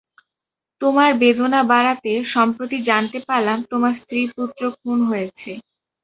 তোমার বেদনা বাড়াতে সম্প্রতি জানতে পারলাম তোমার স্ত্রী-পুত্র খুন হয়েছে।